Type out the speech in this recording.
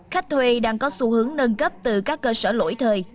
khách thuê đang có xu hướng nâng cấp từ các cơ sở lỗi thời